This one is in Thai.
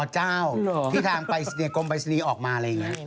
อ๋อเจ้าที่ทางกรมไปสนีออกมาอะไรอย่างเงี้ย